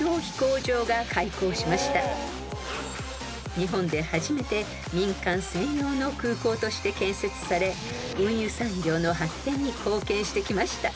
［日本で初めて民間専用の空港として建設され運輸産業の発展に貢献してきました］